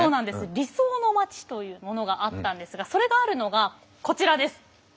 理想の町というものがあったんですがそれがあるのがこちらです！